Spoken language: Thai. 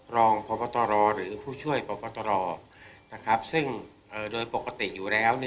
รองพบตรหรือผู้ช่วยพบตรซึ่งโดยปกติอยู่แล้ว